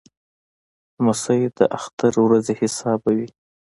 لمسی د اختر ورځې حسابوي.